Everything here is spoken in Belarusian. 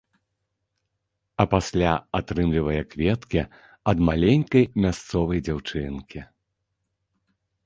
А пасля атрымлівае кветкі ад маленькай мясцовай дзяўчынкі.